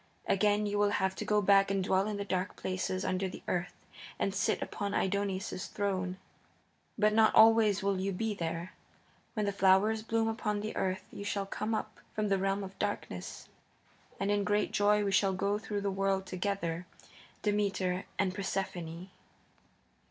Again you will have to go back and dwell in the dark places under the earth and sit upon Aidoneus's throne. But not always you will be there. When the flowers bloom upon the earth you shall come up from the realm of darkness, and in great joy we shall go through the world together, Demeter and Persephone."